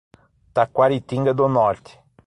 Taquaritinga do Norte